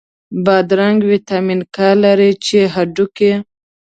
بادرنګ ویټامین K لري، چې هډوکی